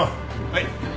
はい。